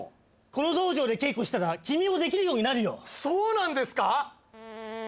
この道場で稽古したら君もできるようになるよそうなんですか？